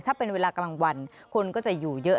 ถ้าเป็นเวลากลางวันคนก็จะอยู่เยอะ